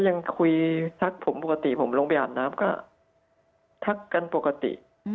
ยังคุยทักผมปกติผมลงไปอาบน้ำก็ทักกันปกติ